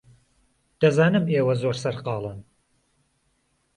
دەزانم ئێوە زۆر سەرقاڵن.